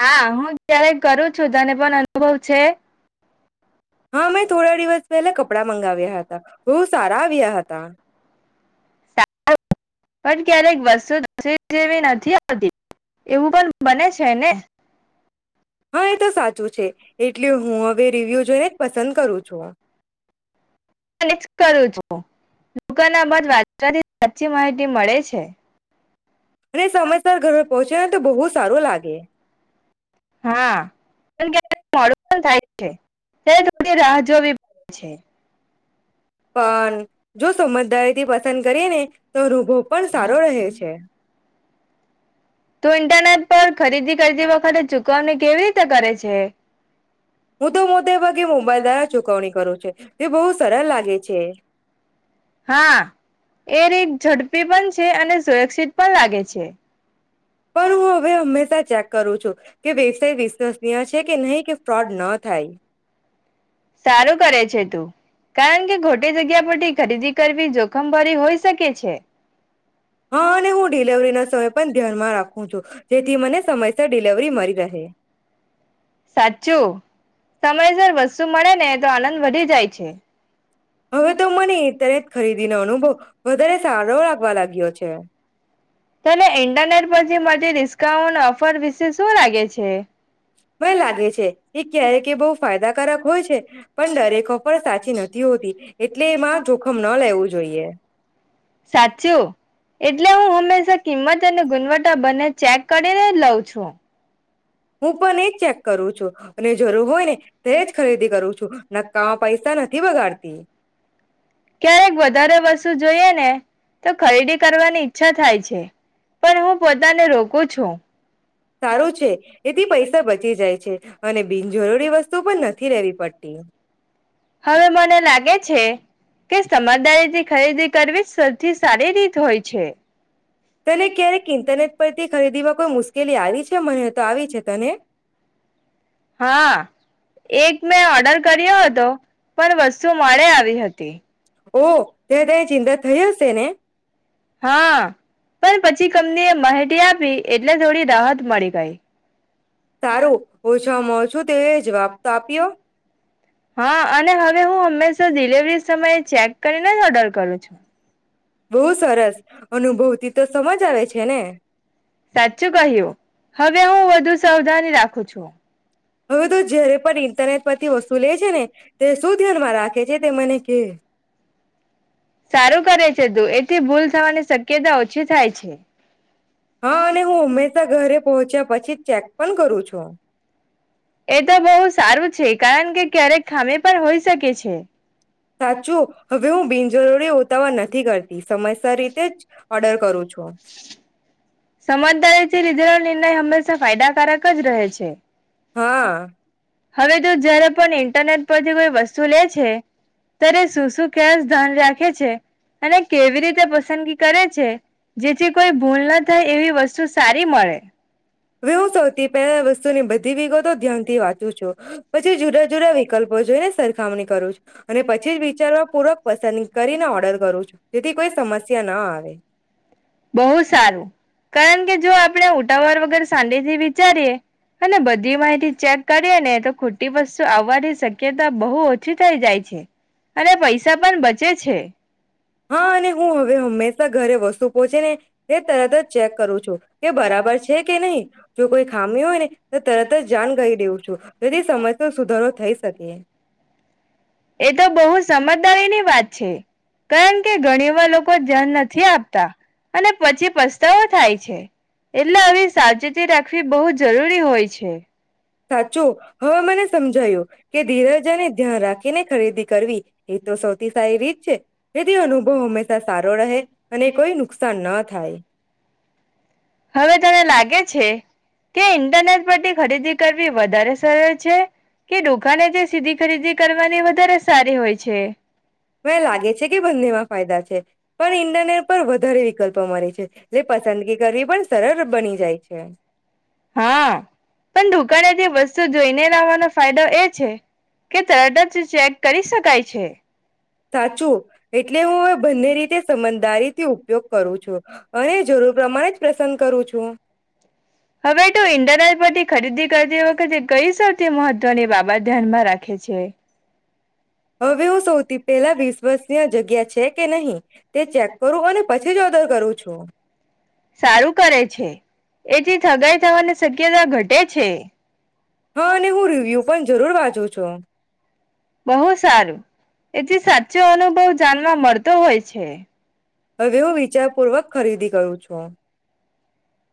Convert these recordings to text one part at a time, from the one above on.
હા, હું ત્યારે કરું છું. તને પણ અનુભવ છે? હા, મેં થોડા દિવસ પહેલા કપડા મંગાવ્યા હતા, બહુ સારા આવ્યા હતા. [unintelligible] પણ ક્યારેક વસ્તુ તસવીર જેવી નથી આવતી, એવું પણ બને છે ને? હા, એતો સાચ છુ છે, એટલે હવે હુ રિવ્યૂ જોઈને જ પસંદ કરું છુ. દુકાના બાદ વાંચવાથી સાચી માહિતી મળે છે. અને સમયસર ઘરે પહોંચે ને તો બહુ સારું લાગે. હા, પણ ક્યારેક મોડું પણ થાય છે ત્યારે થોડી રાહ જોવી [unintelligible] છે. પણ જો સમજદારી થી પસંદ કરીએ ને તો [unintelligible] પણ સારો રહે છે. તું ઇન્ટરનેટ પર ખરીદી કરતી વખતે ચુકવણી કેવી રીતે કરે છે. હું તો મોટે ભાગે મોબાઈલ દ્વારા ચુકવણી કરું છે. એ બોવ સરળ લાગે છે. હા, એ રીત ઝડપી પણ છે અને સુરક્ષિત પણ લાગે છે. પણ હું હવે હંમેશા ચેક કરું છું. કે વ્યવસાય વિશ્વસનીય છે કે નહીં કે ફ્રોડ ન થાય. સારું કરે છે તું. કારણ કે, ખોટી જગ્યા પરથી ખરીદી કરવી જોખમ ભરી હોઈ શકે છે. હા, અને હું ડિલેવરીના સમય પણ ધ્યાનમાં રાખું છું. જેથી મને સમયસર ડિલેવરી મળી રહે. સાચું, સમયસર વસ્તુ મળે ને તો આનંદ વધી જાય છે. હવે તો મને ઇન્ટરનેટ ખરીદીનો અનુભવ વધારે સારો લાગવા લાગ્યો છે. તને ઇન્ટરનેટ પર જે મળતી ડિસ્કાઉન ઓફર વિશે શું લાગે છે? મને લાગે છે એ, ક્યારેકે એ બહુ ફાયદાકારક હોય છે, પણ દરેક ઓફર સાચી નથી હોતી એટલે એમાં જોખમ ન લેવું જોઈએ. સાચું એટલે હું હમેસ અ કિંમત અને ગુણવત્તા બંને ચેક કરીને જ લઉં છું. હું પણ એજ ચેક કરું છું અને જરૂર હોય ને તયે જ ખરીદી કરું છું, નક્કામાં પૈસા નથી બગાડતી. ક્યારેક વધારે વસ્તુ જોઈએ ને તો ખરીદી કરવાની ઈચ્છા થાય છે. પણ હું પોતાને રોકું છું. સારું છે એથી પૈસા બચી જાય છે અને બિનજરૂરી વસ્તુ પણ નથી લેવી પડતી. હવે મને લાગે છે કે, સમજદારીથી ખરીદી કરવી સૌથી સારી રીત હોય છે. તને ક્યારેક ઈન્ટરનેટ પરથી ખરીદીમાં કોઈ મુશ્કેલી આવી છે? મને તો આવી છે, તને? હા, એક મે ઓર્ડર કર્યો હતો. પણ વસ્તુ મોળે આવી હતી. ઓહ. [inaudible] ત્યારે તને ચિંતા થઈ હશે ને હા, પણ પછી કંપની એ માહિતી આપી એટલે થોડી રાહત મળી ગઈ. સારું, ઓછા માં ઓછું તેએ જવાબ તો આપ્યો. હા અને હવે હું હંમેશા ડિલવરી સમયે ચેક કરીને જ ઓર્ડર કરું છું. બહુ સરસ અનુભવતી તો સમજ આવે છે ને. સાચું કહ્યું, હવે હું વધુ સાવધાની રાખું છું. હવે તૂ જ્યારે પણ ઇન્ટરનેટ પરથી વસ્તુ લે છે ને, તે શું ધ્યાનમાં રાખે છે? તે મને કે. સારું કરે છે તું. એથી ભૂલ થવાની શક્યતા ઓછી થાય છે. હા, અને હું હંમેશા ઘરે પહોંચ્યા પછી ચેક પણ કરું છું. એ તો બોવ સારું છે. કારણ કે, ક્યારેક ખામી પણ હોઈ શકે છે. સાચું, હવે હું બિનજરૂરી ઉતાવળ નથી કરતી. સમયસર રીતે જ ઓર્ડર કરું છું. સમજદારીથી લીધેલો નિર્ણય હંમેશા ફાયદાકારક જ રહે છે. હા. હવે તો જયારે પણ ઇન્ટરનેટ પજવી વસ્તુ લે છે, ત્યારે શું શું કેસ ધ્યાન રાખે છે. અને કેવી રીતે પસંદગી કરે છે, જેથી કોઈ ભૂલ નથ થાય એવી વસ્તુ સારી મળે. [unintelligible] સૌથી પહેલા વસ્તુની બધી વિગો ધ્યાનથી વાંચું છું. પછી જુદા જુદા વિકલ્પો જોઈને સરખામણી કરું છું, અને પછી જ વિચારવા પૂર્વક પસંદ કરીને ઓર્ડર કરું છું, જેથી કોઈ સમસ્યા ન આવે બહુ સારું કારણ કે જો આપણે ઉટાવાર વગર [inaudible] વિચારીએ અને બધી માહિતી ચેક કરીએને તો ખોટી વસ્તુ આવવાની શક્યતા બહુ ઓછી થઈ જાય છે, અને પૈસા પણ બચે છે. હા અને હું હવે હંમેશા ઘરે [unintelligible] શકો છે ને તે તરત જ ચેક કરું છું કે બરાબર છે, કે નહી જો કોઈ ખામી હોયને તો તરત જ જાણ કરી દેવું છું, તેથી [unintelligible] સુધારો થઈ શકે. એ તો બહુ સમજદારીની વાત છે. કારણ કે ઘણીવાર લોકો [unintelligible] નથી આપતા અને પછી પસ્તાવો થાય. એટલે હવે સાવચેતી રાખવી બહુ જરૂરી હોય છે. સાચું હવે મને સમજાયું કે ધીરજાને ધ્યાન રાખીને ખરીદી કરવી એ તો સૌથી સારી રીત છે, જેથી અનુભવ હંમેશા સારો રહે અને કોઈ નુકસાન ન થાય. હવે તને લાગે છે, કે ઇન્ટરનેટ પરથી ખરીદી કરવી વધારે સરળ છે, કે દુકાને જે સીધી ખરીદી કરવાની વધારે સારી હોય છે. લાગે છે. કે બંનેમાં ફાયદા છે. પણ ઇન્ડરનેટ પર વધારે વિકલ્પો મળે છે, એટલે પસંદગી કરવી પણ સરળ બની જાય છે. હા પણ દુકાને જે વસ્તુ જોઈને લવાનો ફાયદો એ છે. કે તરત જ ચેક કરી શકાય છે. સાચું એટલે હું બંને રીતે સમજદારીથી ઉપયોગ કરું છું, અને જરૂર પ્રમાણે જ [unintelligible] કરું છું. હવે તો [unintelligible] થી ખરીદી કરતી વખતે કઈ સૌથી મહત્વની બાબત ધ્યાનમાં રાખે છે. હવે હું સૌથી પહેલા વીસ [unintelligible] જગ્યા છે. કે નહીં તે ચેક કરું અને પછી જ ઓર્ડર કરું છું. સારું કરે છે, એથી ઠગાઈ થવાની શક્યતા ઘટે છે. હા અને હું રિવ્યુ પણ જરૂર વાંચું છું. બહુ સારું એથી સાચો અનુભવ જાણવા મળતો હોય છે. હવે હું વિચારપૂર્વક ખરીદી કરું છું.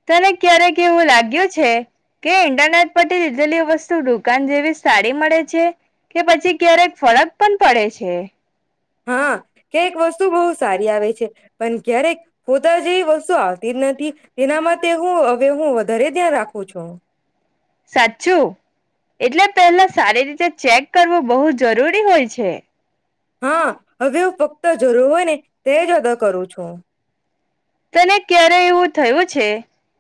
તને ક્યારેક એવું લાગ્યું છે, કે ઇન્ટરનેટ પરથી લીધેલી વસ્તુ દુકાન જેવી સારી મળે છે, કે પછી ક્યારેક ફરક પણ પડે છે. હા [unintelligible] વસ્તુ બહુ સારી આવે છે, પણ ક્યારેક [unintelligible] જેવી વસ્તુ આવતી જ નથી તેના માટે હું હવે હું વધારે ધ્યાન રાખું છું. સાચું એટલે પહેલા સારી રીતે ચેક કરવુ બહુ જરૂરી હોય છે. હા હવે હું ફક્ત જરૂર હોય ને તેજ ઓડર કરું છું. તને ક્યારે એવું થયું છે,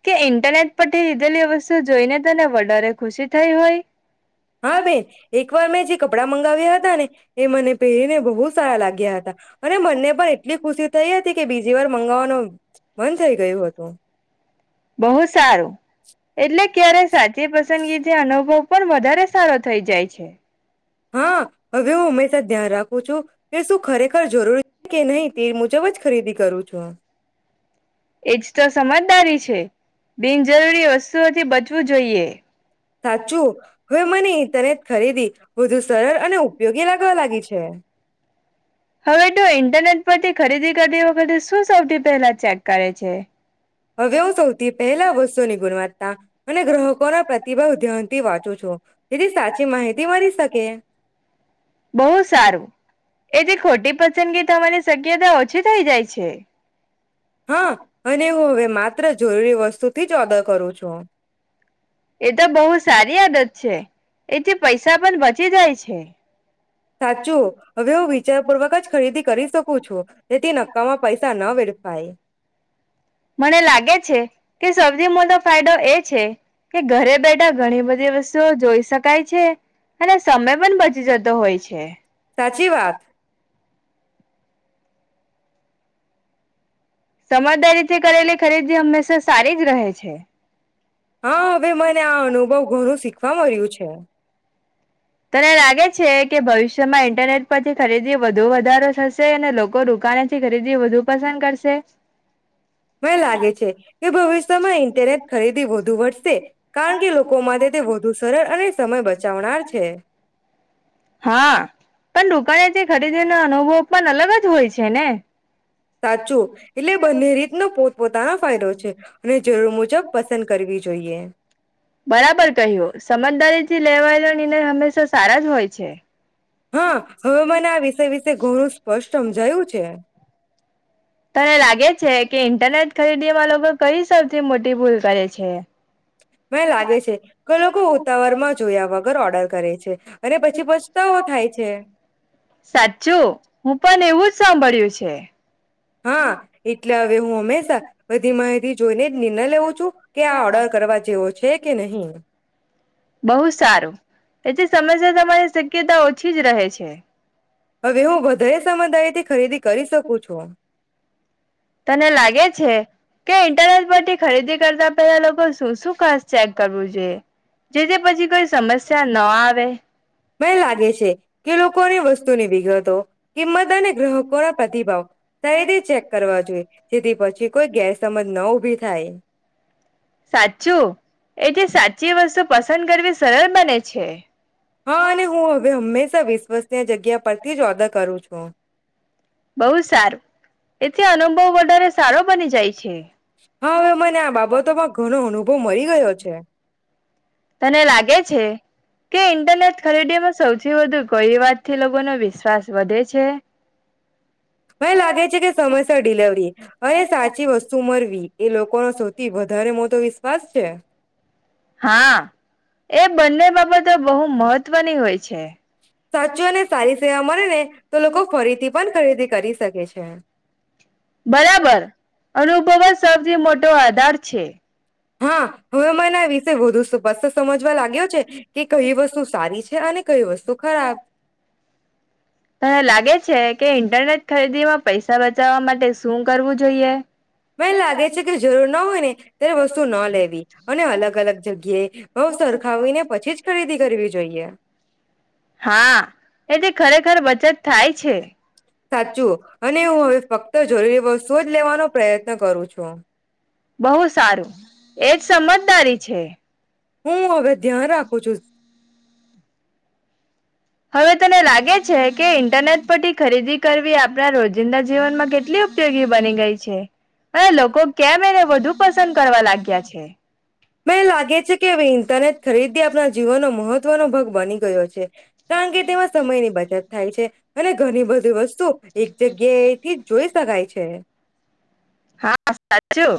કે ઇન્ટરનેટ પરથી લીધેલી વસ્તુ જોઈને તને વધારે ખુશી થઈ હોય. હા બેન એક વાર મેં જે કપડાં મંગાવ્યા હતા ને એ મને પહેરીને બહુ સારા લાગ્યા હતા અને મને પણ એટલી ખુશી થઈ હતી કે બીજી વાર મંગાવવાનો મન થઈ ગયું હતું. બહુ સારું એટલે ક્યારે સાચી પસંદગીથી અનુભવ પણ વધારે સારો થઈ જાય છે. હા હવે હું હંમેશા ધ્યાન રાખું ખું છું. તે શું ખરેખર જરૂરી છે કે નહી તે મુજબ જ ખરીદી કરું છું. એજ તો સમજદારી છે. બિનજરૂરી વસ્તુઓથી બચવું જોઈએ. સાચું હવે મને ઇન્ટરનેટ ખરીદી વધુ સરળ અને ઉપયોગી લાગવા લાગી છે. હવે તું ઇન્ટરનેટ પરથી ખરીદી કરતી વખતે શું સૌથી પહેલા ચેક કરે છે? હવે હુ સવથી પહેલા વસ્તુની ગુણવત્તા અને ગ્રાહકો ના પ્રતિભાવ ધ્યાનથી વાંચું છું. જેથી સાચી માહિતી મળી શકે. બહ સારું એથી ખોટી પસંદગી તમારી શક્યતા ઓછી થઈ જાય છે. હા, અને હું હવે માત્ર જરૂરી વસ્તુ [unintelligible] જ ઓર્ડર કરું છું. એ તો બહુ સારી આદત છે. એથી પૈસા પણ બચી જાય છે. સાચું હવે હું વિચારપૂર્વક જ ખરીદી કરી શકું છું. જેથી નક્કામાં પૈસા ન વેડફાય. મને લાગે છે, કે સૌથી મોટો ફાયદો એ છે, કે ઘરે બેઠા ઘણી બધી વસ્તુઓ જોઈ શકાય છે, અને સમય પણ બચી જતો હોય છે. સાચી વાત. સમજદારીથી કરેલી ખરીદી હંમેશા સારી જ રહે છે. હા, હવે મને આ અનુભવ, ઘણું શીખવા મળ્યું છે. તને લાગે છે, કે ભવિષ્યમાં ઇન્ટરનેટ પરથી ખરીદી વધુ વધારો થશે, અને લોકો દુકાનેથી ખરીદી વધુ પસંદ કરશે? મને લાગે છે કે ભવિષ્યમાં ઇન્ટરનેટ ખરીદી વધુ વધશે, કારણકે લોકો માટે તે વધુ સરળ અને સમય બચાવનાર છે. હા, પણ દુકાને જે ખરીદીનો અનુભવ પણ અલગ જ હોય છે ને! સાચું, એટલે બંને રીતનો પોતપોતાનો ફાયદો છે. અને જરૂર મુજબ પસંદ કરવી જોઈએ. બરાબર કહ્યું. સમજદારી થી લેવાયેલો નિર્ણય હંમેશા સારા જ હોય છે. હા, હવે મને આ વિસય વિસે ઘણું સ્પષ્ટ હમજાયું છે. તને લાગે છે, કે ઇન્ટરનેટ ખરીદીમાં લોકો કઈ સૌથી મોટી ભૂલ કરે છે? મને લાગે છે, કે કોઈ લોકો ઉતાવરમાં જોયા વગર ઓર્ડર કરે છે, અને પછી પછતાવો થાય છે. સાચું હું પણ એવું સાંભળ્યું છે. હા, એટલે અવે હું હંમેશા બધી માહિતી જોઈને જ નિર્ણય લેઉં છું, કે આ ઓર્ડર કરવા જેવો છે, કે નહીં. બહુ સારું, એટલે સમસ્યા થવાની શક્યતા ઓછી જ રહે છે. હવે હું વધારે સમજદારી થી ખરીદી કરી શકું છું. તને લાગે છે? કે ઇન્ટરનેટ પરથી ખરીદી કરતા પેલા લોકો શું શું ખાસ ચેક કરવું જોઈએ? જેથી પછી કોઈ સમસ્યા ન આવે મને લાગે છે કે લોકોની વસ્તુની વિગતો કિંમત અને ગ્રાહકો ના પ્રતિભાવ સારી રીતે ચેક કરવા જોઈએ. જેથી પછી કોઈ ગેરસમજ ન ઉભી થાય. સાચું એ જે સાચું જે વસ્તુ પસંદ કરવી સરળ બને છે. હા અને હું હવે હંમેશા વિશ્વસની જગ્યા પરથી જ ઓર્ડર કરું છું. બહુ સારું એથી અનુભવ વધારે સારો બની જાય છે. હા હવે મને આ બાબતોમાં ઘણો અનુભવ મળી ગયો છે. તને લાગે છે કે ઇન્ટરનેટ ખરીદીમાં સૌથી વધુ કઈ વાત થી લોકો નો વિશ્વાસ વધે છે. મને લાગે છે કે સમયસર ડિલેવરી અને સાચી વસ્તુ મલવી એ લોકોનો સૌથી વધારે મોટો વિશ્વાસ છે. હા એ બંને બાબતો બહુ મહત્વની હોય છે. સાચું અને સારી સેવા મળેને તો લોકો ફરીથી પણ ખરીદી કરી શકે છે. બરાબર. અનુભવ સૌથી મોટો આધાર છે. હા, હવે મને આ વિષે વધુ સ્પષ્ટ સમજવા લાગ્યો છે, કે કઈ વસ્તુ સારી છે અને કઈ વસ્તુ ખરાબ. તને લાગે છે કે ઇન્ટરનેટ ખરીદીમાં પૈસા બચાવવા માટે શું કરવું જોઈએ? મને લાગે છે કે જરૂર ના હોય ને ત્યારે વસ્તુ ન લેવી અને અલગ અલગ જગ્યાએ બહુ સરખાવીને પછીજ ખરીદી કરવી જોઈએ. હા, એથી ખરેખર બચત થાય છે. સાચું અને હું હવે ફક્ત જરૂરી વસ્તુઓ જ લેવાનો પ્રયત્ન કરું છું બહ સારું એજ સમજદારી છે. હું, હવે ધ્યાન રાખું છું‌. હવે, તને લાગે છે કે ઇન્ટરનેટ પરથી ખરીદી કરવી આપણા રોજ જિંદા જીવનમાં કેટલી ઉપયોગી બની ગઈ છે. અરે લોકો કેમ એ વધુ પસંદ કરવા લાગ્યા છે. મને લાગે છે કે હવે ઇન્ટરનેટ ખરીદી આપણા જીવનનો મહત્વનો ભાગ બની ગયો છે, કારણકે તેમાં સમયની બચત થાય છે અને ઘણી બધી વસ્તુ એક જગ્યાએથી જોઈ શકાય છે. હા સાચું.